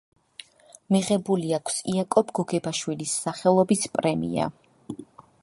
მიღებული აქვს იაკობ გოგებაშვილის სახელობის პრემია.